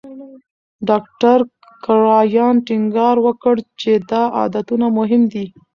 ډاکټر کرایان ټینګار وکړ چې دا عادتونه مهم دي.